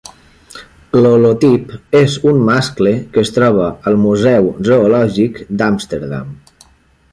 L'holotip és un mascle que es troba al museu zoològic d'Amsterdam.